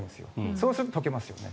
そうすると解けますよね。